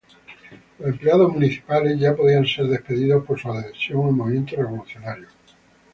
Los empleados municipales ya podían ser despedidos por su adhesión al movimiento revolucionario.